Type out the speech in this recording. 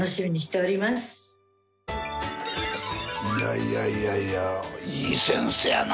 いやいやいやいい先生やな。